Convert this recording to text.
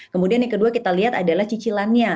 kemudian yang kedua kita lihat adalah cicilannya